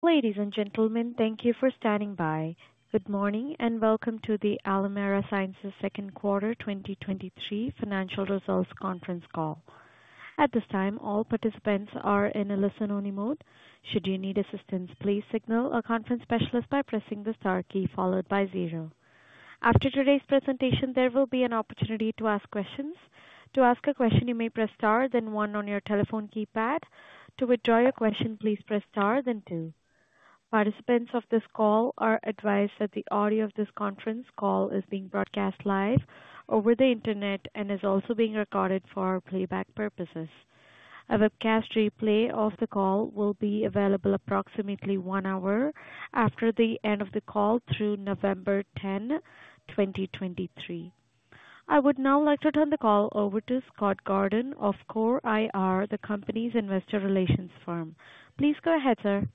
Ladies and gentlemen, thank you for standing by. Good morning and welcome to the Alimera Sciences second quarter 2023 financial results conference call. At this time, all participants are in a listen-only mode. Should you need assistance, please signal a conference specialist by pressing the star key followed by zero. After today's presentation, there will be an opportunity to ask questions. To ask a question, you may press star, then one on your telephone keypad. To withdraw your question, please press star, then two. Participants of this call are advised that the audio of this conference call is being broadcast live over the internet and is also being recorded for playback purposes. A webcast replay of the call will be available approximately one hour after the end of the call through November 10, 2023. I would now like to turn the call over to Scott Gordon of Core IR, the company's investor relations firm. Please go ahead, sir.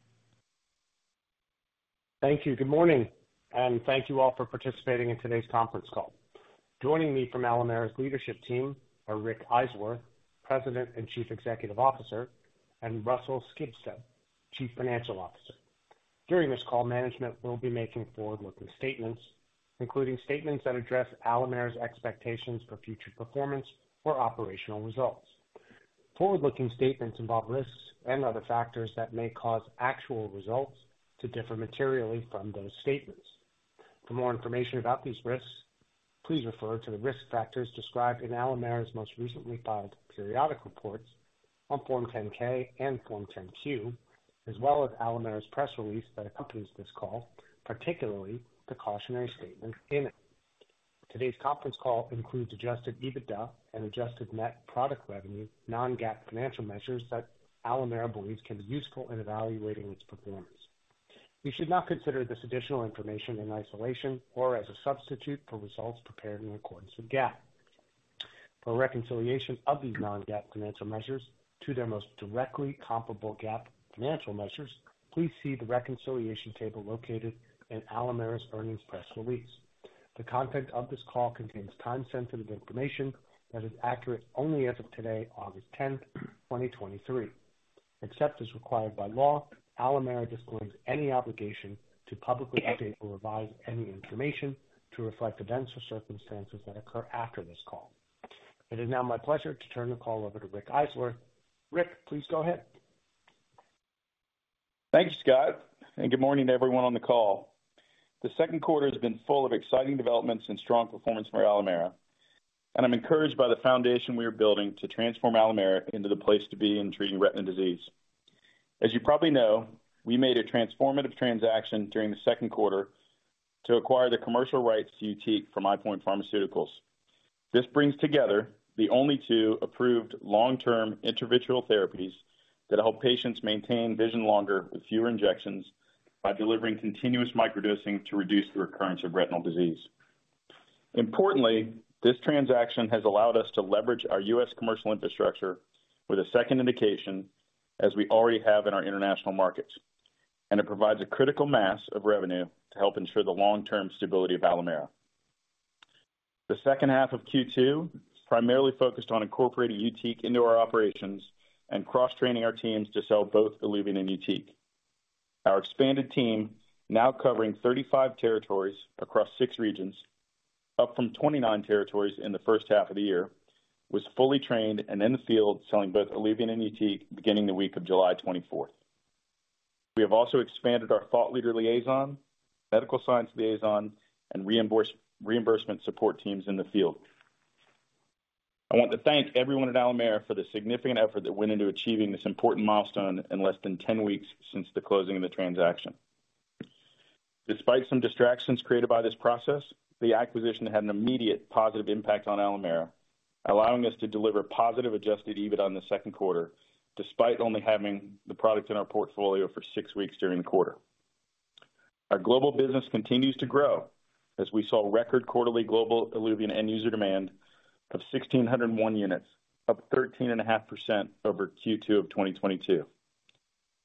Thank you. Good morning, and thank you all for participating in today's conference call. Joining me from Alimera's leadership team are Richard Eiswirth, President and Chief Executive Officer, and Russell Skibsted, Chief Financial Officer. During this call, management will be making forward-looking statements, including statements that address Alimera's expectations for future performance or operational results. Forward-looking statements involve risks and other factors that may cause actual results to differ materially from those statements. For more information about these risks, please refer to the risk factors described in Alimera's most recently filed periodic reports on Form 10-K and Form 10-Q, as well as Alimera's press release that accompanies this call, particularly the cautionary statements in it. Today's conference call includes adjusted EBITDA and adjusted net product revenue non-GAAP financial measures that Alimera believes can be useful in evaluating its performance. You should not consider this additional information in isolation or as a substitute for results prepared in accordance with GAAP. For reconciliation of these non-GAAP financial measures to their most directly comparable GAAP financial measures, please see the reconciliation table located in Alimera's earnings press release. The content of this call contains time-sensitive information that is accurate only as of today, August 10, 2023. Except as required by law, Alimera discloses any obligation to publicly update or revise any information to reflect events or circumstances that occur after this call. It is now my pleasure to turn the call over to Richard Eiswirth. Rick, please go ahead. Thank you, Scott, and good morning to everyone on the call. The second quarter has been full of exciting developments and strong performance for Alimera, and I'm encouraged by the foundation we are building to transform Alimera into the place to be in treating retina disease. As you probably know, we made a transformative transaction during the second quarter to acquire the commercial rights to YUTIQ from EyePoint Pharmaceuticals. This brings together the only two approved long-term intravitreal therapies that help patients maintain vision longer with fewer injections by delivering continuous microdosing to reduce the recurrence of retinal disease. Importantly, this transaction has allowed us to leverage our US commercial infrastructure with a second indication, as we already have in our international markets, and it provides a critical mass of revenue to help ensure the long-term stability of Alimera. The second half of Q2 is primarily focused on incorporating YUTIQ into our operations and cross-training our teams to sell both ILUVIEN and YUTIQ. Our expanded team, now covering 35 territories across six regions, up from 29 territories in the first half of the year, was fully trained and in the field selling both ILUVIEN and YUTIQ beginning the week of July 24. We have also expanded our thought leader liaison, medical science liaison, and reimbursement support teams in the field. I want to thank everyone at Alimera for the significant effort that went into achieving this important milestone in less than 10 weeks since the closing of the transaction. Despite some distractions created by this process, the acquisition had an immediate positive impact on Alimera, allowing us to deliver positive adjusted EBITDA in the second quarter despite only having the product in our portfolio for six weeks during the quarter. Our global business continues to grow as we saw record quarterly global ILUVIEN end-user demand of 1,601 units, up 13.5% over Q2 of 2022,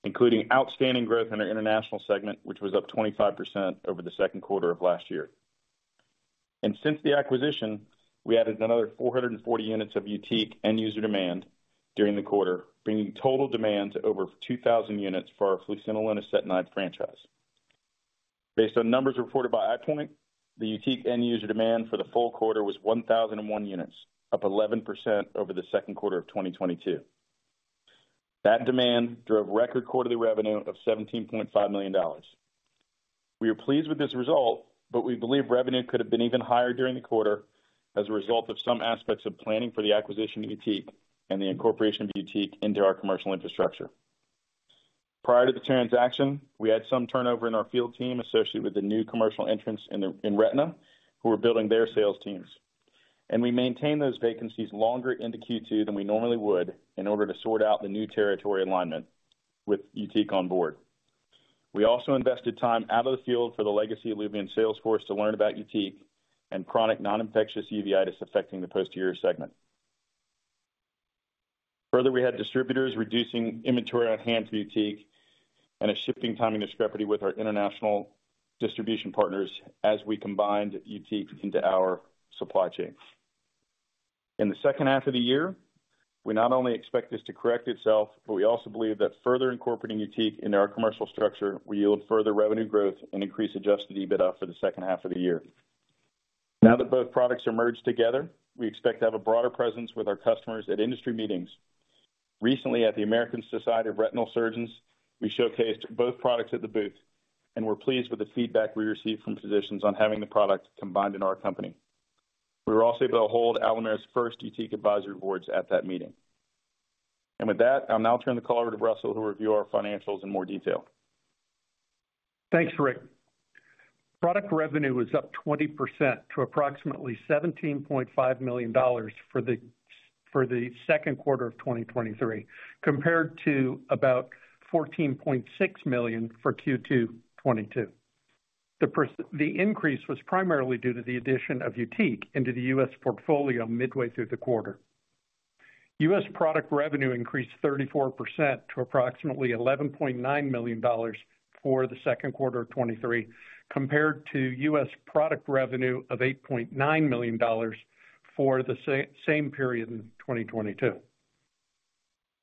including outstanding growth in our international segment, which was up 25% over the second quarter of last year. Since the acquisition, we added another 440 units of YUTIQ end-user demand during the quarter, bringing total demand to over 2,000 units for our fluocinolone and acetonide franchise. Based on numbers reported by EyePoint, the YUTIQ end-user demand for the full quarter was 1,001 units, up 11% over the second quarter of 2022. That demand drove record quarterly revenue of $17.5 million. We are pleased with this result, but we believe revenue could have been even higher during the quarter as a result of some aspects of planning for the acquisition of YUTIQ and the incorporation of YUTIQ into our commercial infrastructure. Prior to the transaction, we had some turnover in our field team associated with the new commercial entrance in retina, who were building their sales teams. We maintained those vacancies longer into Q2 than we normally would in order to sort out the new territory alignment with YUTIQ on board. We also invested time out of the field for the legacy ILUVIEN sales force to learn about YUTIQ and chronic non-infectious uveitis affecting the posterior segment. We had distributors reducing inventory on hand for YUTIQ and a shifting timing discrepancy with our international distribution partners as we combined YUTIQ into our supply chain. In the second half of the year, we not only expect this to correct itself, but we also believe that further incorporating YUTIQ into our commercial structure will yield further revenue growth and increased adjusted EBITDA for the second half of the year. That both products are merged together, we expect to have a broader presence with our customers at industry meetings. Recently, at the American Society of Retina Specialists, we showcased both products at the booth, and we're pleased with the feedback we received from physicians on having the product combined in our company. We were also able to hold Alimera's first YUTIQ advisory boards at that meeting. With that, I'll now turn the call over to Russell, who will review our financials in more detail. Thanks, Rick. Product revenue was up 20% to approximately $17.5 million for the second quarter of 2023, compared to about $14.6 million for Q2 '22. The increase was primarily due to the addition of YUTIQ into the US portfolio midway through the quarter. US product revenue increased 34% to approximately $11.9 million for the second quarter of '23, compared to US product revenue of $8.9 million for the same period in 2022.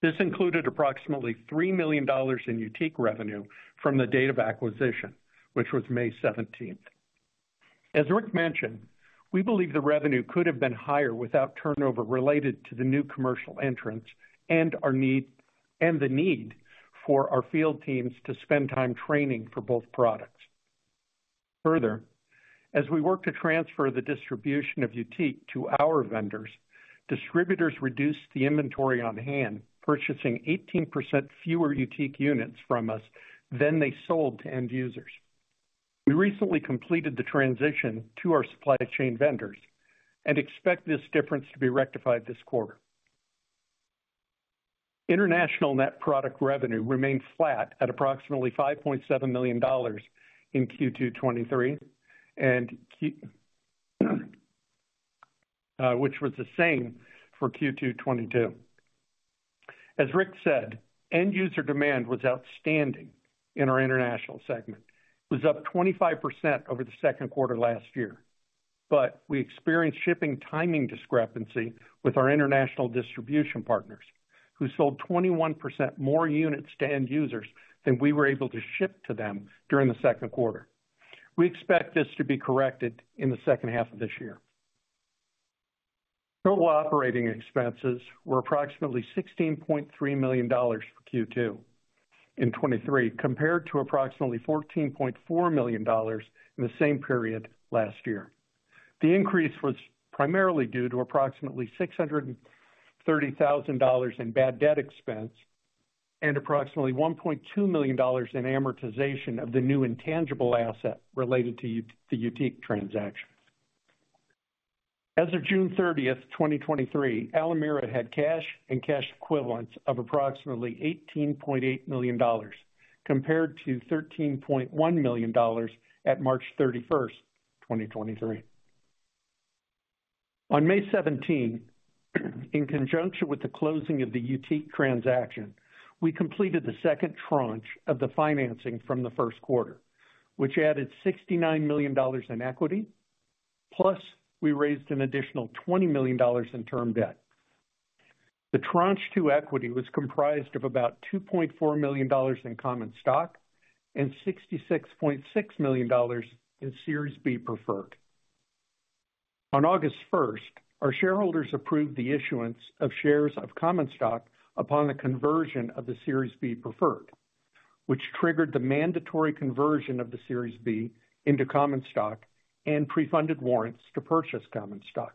This included approximately $3 million in YUTIQ revenue from the date of acquisition, which was May 17. As Rick mentioned, we believe the revenue could have been higher without turnover related to the new commercial entrance and the need for our field teams to spend time training for both products. Further, as we work to transfer the distribution of YUTIQ to our vendors, distributors reduced the inventory on hand, purchasing 18% fewer YUTIQ units from us than they sold to end users. We recently completed the transition to our supply chain vendors and expect this difference to be rectified this quarter. International net product revenue remained flat at approximately $5.7 million in Q2 '23, which was the same for Q2 '22. As Rick said, end-user demand was outstanding in our international segment. It was up 25% over the second quarter last year. We experienced shipping timing discrepancy with our international distribution partners, who sold 21% more units to end users than we were able to ship to them during the second quarter. We expect this to be corrected in the second half of this year. Total operating expenses were approximately $16.3 million for Q2 in 2023, compared to approximately $14.4 million in the same period last year. The increase was primarily due to approximately $630,000 in bad debt expense and approximately $1.2 million in amortization of the new intangible asset related to the YUTIQ transaction. As of June 30, 2023, Alimera had cash and cash equivalents of approximately $18.8 million, compared to $13.1 million at March 31, 2023. On May 17, in conjunction with the closing of the YUTIQ transaction, we completed the second tranche of the financing from the first quarter, which added $69 million in equity, plus we raised an additional $20 million in term debt. The tranche two equity was comprised of about $2.4 million in common stock and $66.6 million in Series B preferred. On August 1, our shareholders approved the issuance of shares of common stock upon the conversion of the Series B preferred, which triggered the mandatory conversion of the Series B into common stock and pre-funded warrants to purchase common stock.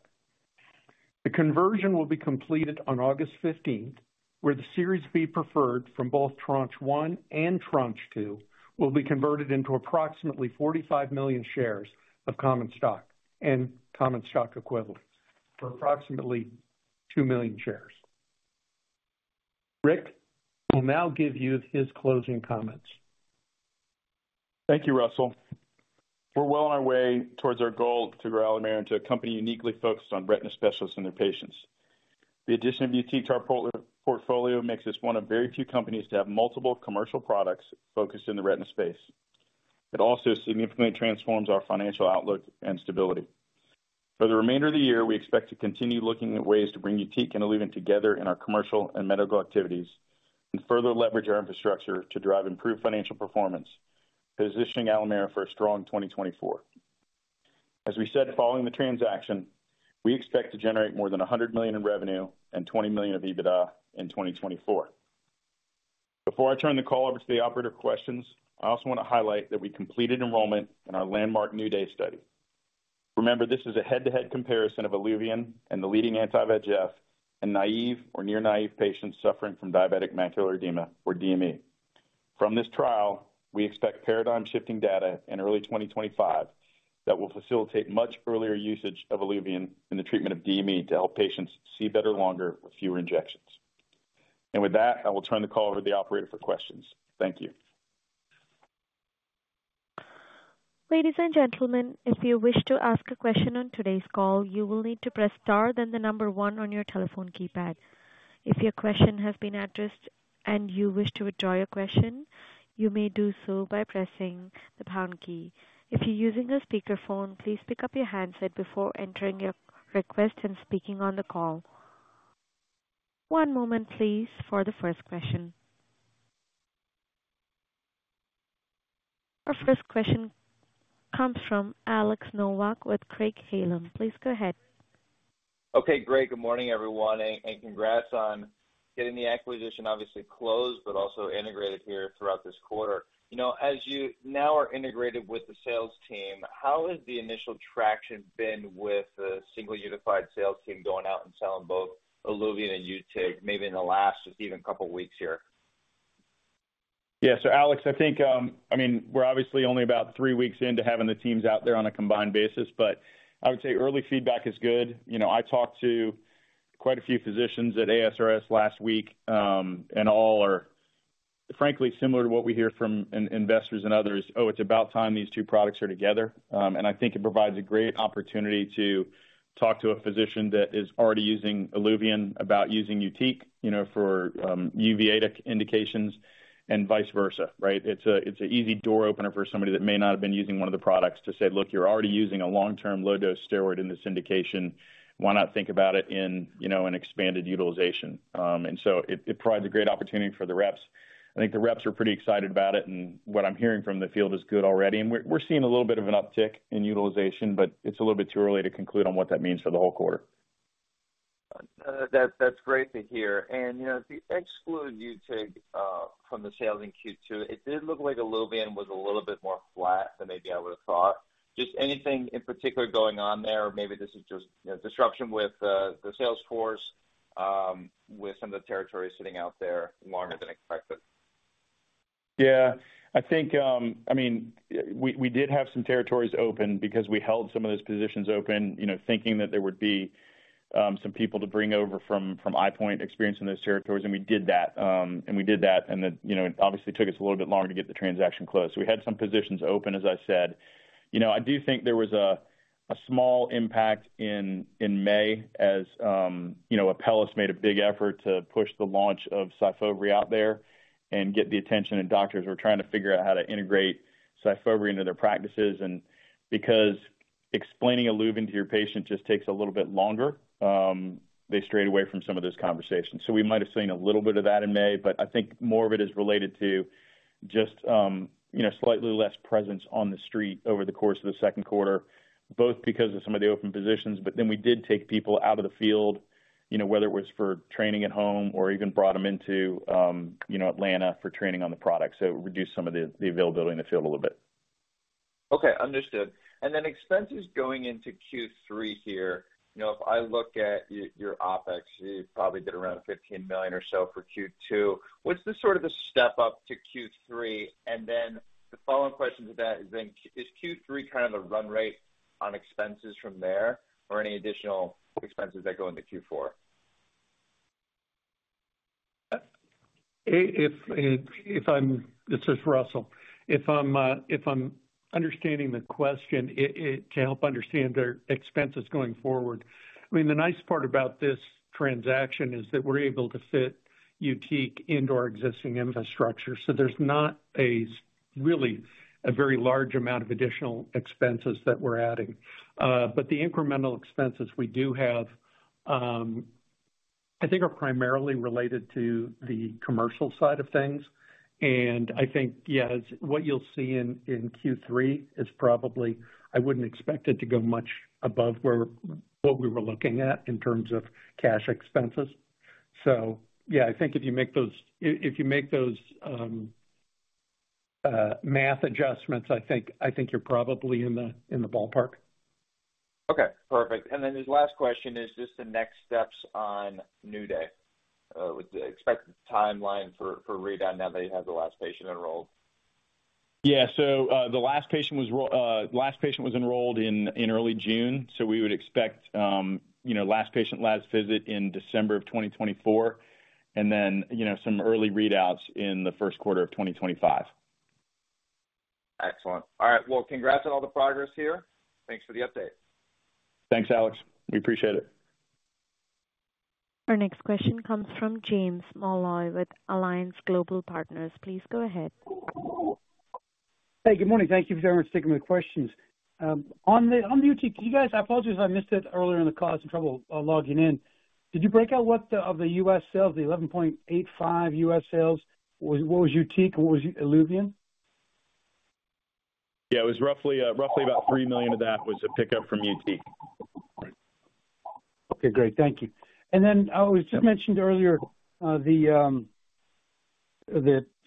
The conversion will be completed on August 15, where the Series B preferred from both tranche one and tranche two will be converted into approximately 45 million shares of common stock and common stock equivalents for approximately 2 million shares. Rick will now give you his closing comments. Thank you, Russell. We're well on our way towards our goal to grow Alimera into a company uniquely focused on retina specialists and their patients. The addition of YUTIQ to our portfolio makes us one of very few companies to have multiple commercial products focused in the retina space. It also significantly transforms our financial outlook and stability. For the remainder of the year, we expect to continue looking at ways to bring YUTIQ and ILUVIEN together in our commercial and medical activities and further leverage our infrastructure to drive improved financial performance, positioning Alimera for a strong 2024. As we said, following the transaction, we expect to generate more than $100 million in revenue and $20 million of EBITDA in 2024. Before I turn the call over to the operative questions, I also want to highlight that we completed enrollment in our landmark NEW DAY study. Remember, this is a head-to-head comparison of ILUVIEN and the leading anti-VEGF and naive or near-naive patients suffering from diabetic macular edema or DME. From this trial, we expect paradigm-shifting data in early 2025 that will facilitate much earlier usage of ILUVIEN in the treatment of DME to help patients see better longer with fewer injections. With that, I will turn the call over to the operator for questions. Thank you. Ladies and gentlemen, if you wish to ask a question on today's call, you will need to press star then the number one on your telephone keypad. If your question has been addressed and you wish to withdraw your question, you may do so by pressing the pound key. If you're using a speakerphone, please pick up your handset before entering your request and speaking on the call. One moment, please, for the first question. Our first question comes from Alex Nowak with Craig-Hallum. Please go ahead. Okay, Gray, good morning, everyone, and congrats on getting the acquisition obviously closed but also integrated here throughout this quarter. You know, as you now are integrated with the sales team, how has the initial traction been with the single unified sales team going out and selling both ILUVIEN and YUTIQ, maybe in the last just even couple of weeks here? Yeah, Alex, I think, I mean, we're obviously only about three weeks into having the teams out there on a combined basis, but I would say early feedback is good. You know, I talked to quite a few physicians at ASRS last week, and all are, frankly, similar to what we hear from investors and others, "Oh, it's about time these two products are together." I think it provides a great opportunity to talk to a physician that is already using ILUVIEN about using YUTIQ, you know, for uveitic indications and vice versa, right? It's an easy door opener for somebody that may not have been using one of the products to say, "Look, you're already using a long-term low-dose steroid in this indication. Why not think about it in, you know, an expanded utilization?" It provides a great opportunity for the reps. I think the reps are pretty excited about it, and what I'm hearing from the field is good already. We're we're seeing a little bit of an uptick in utilization, but it's a little bit too early to conclude on what that means for the whole quarter. That's great to hear. You know, if you exclude YUTIQ from the sales in Q2, it did look like ILUVIEN was a little bit more flat than maybe I would have thought. Just anything in particular going on there? Maybe this is just, you know, disruption with the sales force, with some of the territory sitting out there longer than expected. Yeah, I think, I mean, we we did have some territories open because we held some of those positions open, you know, thinking that there would be, some people to bring over from EyePoint experience in those territories, and we did that. Then, you know, it obviously took us a little bit longer to get the transaction closed. We had some positions open, as I said. You know, I do think there was a small impact in May as, you know, Apellis made a big effort to push the launch of SYFOVRE out there and get the attention, and doctors were trying to figure out how to integrate SYFOVRE into their practices. Because explaining ILUVIEN to your patient just takes a little bit longer, they strayed away from some of those conversations. We might have seen a little bit of that in May, but I think more of it is related to just, you know, slightly less presence on the street over the course of the second quarter, both because of some of the open positions, but then we did take people out of the field, you know, whether it was for training at home or even brought them into, you know, Atlanta for training on the product, so reduce some of the the availability in the field a little bit. Okay, understood. Expenses going into Q3 here, you know, if I look at your your OpEx, you probably did around $15 million or so for Q2. What's the sort of the step up to Q3? The following question to that is then, is Q3 kind of a run rate on expenses from there or any additional expenses that go into Q4? If I'm this is Russell. If I'm understanding the question to help understand their expenses going forward, I mean, the nice part about this transaction is that we're able to fit YUTIQ into our existing infrastructure, so there's not a really a very large amount of additional expenses that we're adding. The incremental expenses we do have, I think are primarily related to the commercial side of things. I think, yeah, what you'll see in Q3 is probably I wouldn't expect it to go much above where what we were looking at in terms of cash expenses. Yeah, I think if you make those if you make those, math adjustments, I think I think you're probably in the in the ballpark. Okay, perfect. Then the last question is just the next steps on NEW DAY. Expect timeline for for readout now that you have the last patient enrolled? Yeah, the last patient was enrolled in early June. We would expect, you know, last patient labs visit in December of 2024. Then, you know, some early readouts in the first quarter of 2025. Excellent. All right, well, congrats on all the progress here. Thanks for the update. Thanks, Alex. We appreciate it. Our next question comes from James Molloy with Alliance Global Partners. Please go ahead. Hey, good morning. Thank you for taking my questions. On the YUTIQ, you guys I apologize if I missed it earlier in the call. I was in trouble logging in. Did you break out what the of the US sales, the $11.85 US sales, was what was YUTIQ and what was ILUVIEN? Yeah, it was roughly about $3 million of that was a pickup from YUTIQ. Okay, great. Thank you. Then it was just mentioned earlier, the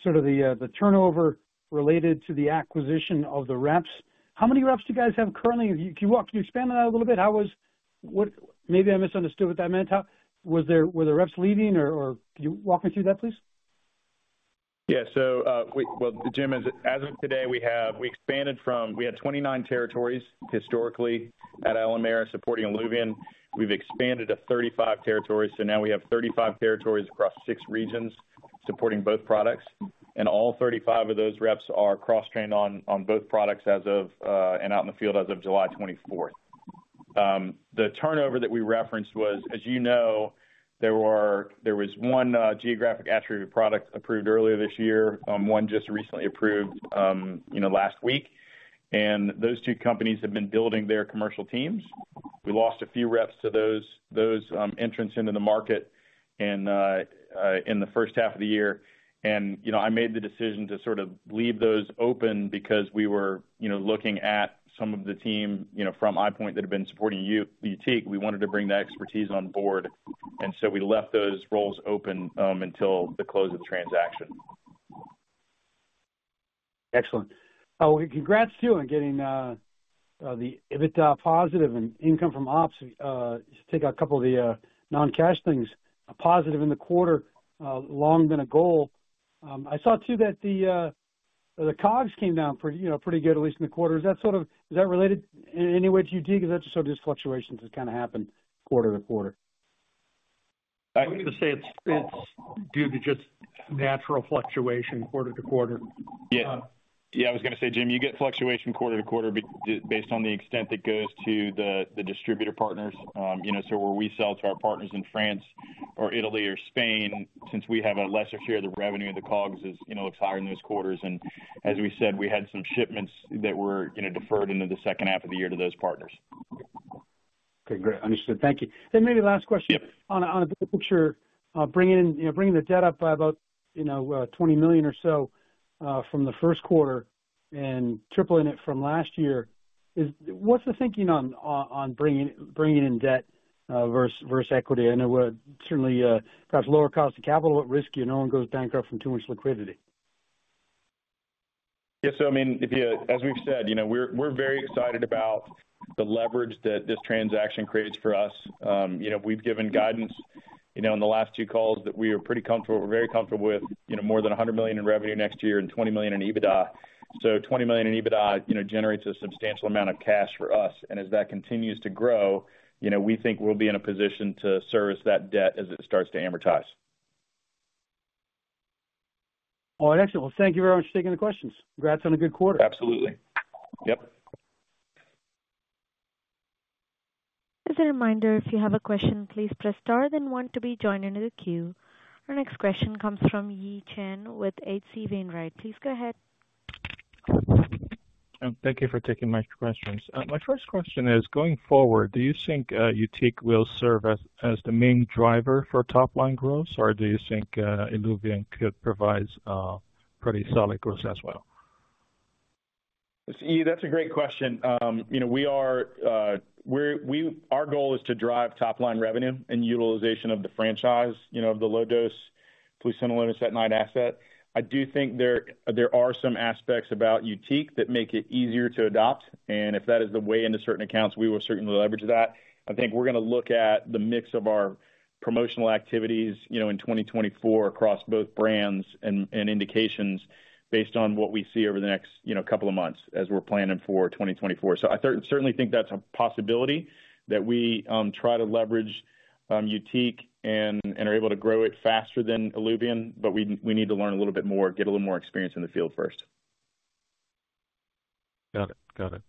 sort of the turnover related to the acquisition of the reps. How many reps do you guys have currently? Can you expand on that a little bit? What maybe I misunderstood what that meant. Were there reps leaving? Can you walk me through that, please? Yeah, Jim, as of today, we expanded from we had 29 territories historically at Alimera supporting ILUVIEN. We've expanded to 35 territories, now we have 35 territories across six regions supporting both products. All 35 of those reps are cross-trained on both products as of and out in the field as of July 24th. The turnover that we referenced was, as you know, there was one geographic atrophy product approved earlier this year, one just recently approved, you know, last week. Those two companies have been building their commercial teams. We lost a few reps to those entrants into the market in the first half of the year. You know, I made the decision to sort of leave those open because we were, you know, looking at some of the team, you know, from EyePoint that had been supporting YUTIQ. We wanted to bring that expertise on board. We left those roles open until the close of the transaction. Excellent. Congrats too on getting the EBITDA positive and income from ops. Just take out a couple of the non-cash things. Positive in the quarter, long than a goal. I saw too that the COGS came down pretty good, at least in the quarter. Is that sort of is that related in any way to YUTIQ? That's just how these fluctuations just kind of happen quarter to quarter. I was going to say it's due to just natural fluctuation quarter to quarter. Yeah. Yeah, I was going to say, Jim, you get fluctuation quarter to quarter based on the extent it goes to the distributor partners. You know, where we sell to our partners in France or Italy or Spain, since we have a lesser share of the revenue of the COGS is, you know, looks higher in those quarters. As we said, we had some shipments that were, you know, deferred into the second half of the year to those partners. Okay, great. Understood. Thank you. Maybe last question. On a bigger picture, bringing in, you know, bringing the debt up by about, you know, $20 million or so from the first quarter and tripling it from last year, what's the thinking on bringing in debt versus equity? I know we're certainly perhaps lower cost of capital, but risky, you know, no one goes bankrupt from too much liquidity. Yeah, so I mean, as we've said, you know, we're very excited about the leverage that this transaction creates for us. You know, we've given guidance, you know, in the last two calls that we are pretty comfortable we're very comfortable with, you know, more than $100 million in revenue next year and $20 million in EBITDA. $20 million in EBITDA, you know, generates a substantial amount of cash for us. As that continues to grow, you know, we think we'll be in a position to service that debt as it starts to amortize. All right, excellent. Well, thank you very much for taking the questions. Congrats on a good quarter. Absolutely. Yep. As a reminder, if you have a question, please press star, then want to be joined into the queue. Our next question comes from Yi Chen with H.C. Wainwright. Please go ahead. Thank you for taking my questions. My first question is, going forward, do you think YUTIQ will serve as the main driver for top-line growth, or do you think ILUVIEN could provide pretty solid growth as well? That's a great question. Our goal is to drive top-line revenue and utilization of the franchise, you know, of the low-dose fluocinolone acetonide asset. I do think there are some aspects about YUTIQ that make it easier to adopt. If that is the way into certain accounts, we will certainly leverage that. I think we're going to look at the mix of our promotional activities, you know, in 2024 across both brands and indications based on what we see over the next, you know, couple of months as we're planning for 2024. I certainly think that's a possibility that we try to leverage YUTIQ and are able to grow it faster than ILUVIEN, but we need to learn a little bit more, get a little more experience in the field first. Got it. Got it.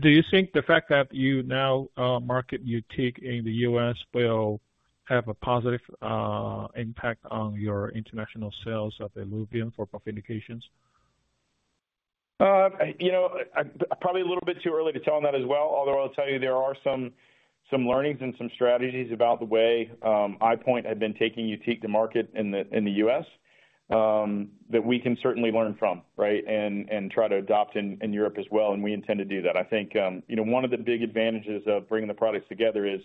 Do you think the fact that you now market YUTIQ in the U.S. will have a positive impact on your international sales of ILUVIEN for growth indications? You know, probably a little bit too early to tell on that as well, although I'll tell you there are some learnings and some strategies about the way EyePoint had been taking YUTIQ to market in the U.S. that we can certainly learn from, right, and try to adopt in Europe as well. We intend to do that. I think, you know, one of the big advantages of bringing the products together is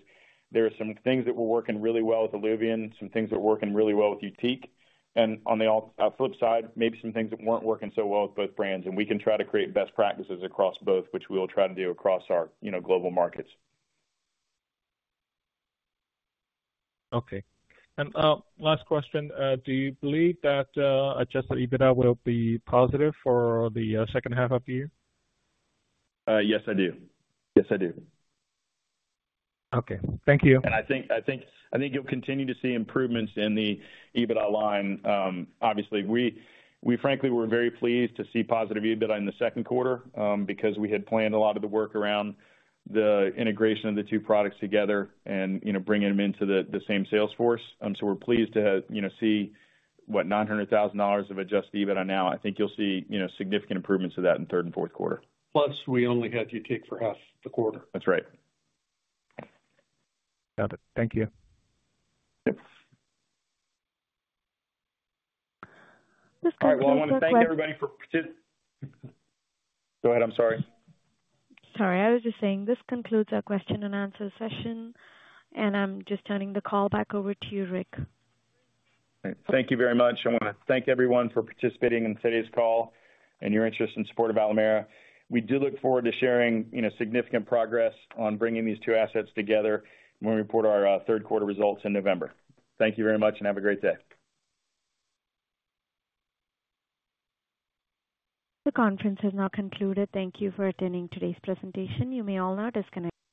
there are some things that were working really well with ILUVIEN, some things that were working really well with YUTIQ. On the flip side, maybe some things that weren't working so well with both brands. We can try to create best practices across both, which we will try to do across our, you know, global markets. Okay. Last question, do you believe that adjusted EBITDA will be positive for the second half of the year? Yes, I do. Yes, I do. Okay. Thank you. I think I think I think you'll continue to see improvements in the EBITDA line. Obviously, we frankly, we're very pleased to see positive EBITDA in the second quarter because we had planned a lot of the work around the integration of the two products together and, you know, bringing them into the same sales force. We're pleased to, you know, see what, $900,000 of adjusted EBITDA now. I think you'll see, you know, significant improvements to that in third and fourth quarter. Plus, we only had YUTIQ for half the quarter. That's right. Got it. Thank you. This concludes our question. All right, well, I want to thank everybody for, go ahead, I'm sorry. Sorry, I was just saying this concludes our question and answer session. I'm just turning the call back over to you, Rick. Thank you very much. I want to thank everyone for participating in today's call and your interest in support of Alimera. We do look forward to sharing, you know, significant progress on bringing these two assets together when we report our third quarter results in November. Thank you very much and have a great day. The conference ha s now concluded. Thank you for attending today's presentation. You may all now disconnect.